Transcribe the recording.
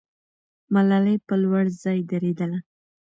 ملالۍ په لوړ ځای درېدله.